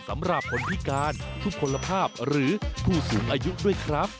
สำหรับคนพิการทุกคนภาพหรือผู้สูงอายุด้วยครับ